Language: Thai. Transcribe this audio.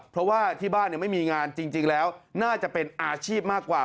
เพราะว่าที่บ้านไม่มีงานจริงแล้วน่าจะเป็นอาชีพมากกว่า